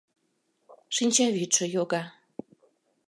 Шинчавӱдшӧ йога.